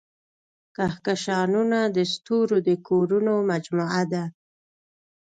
کهکشانونه د ستورو د کورونو مجموعه ده.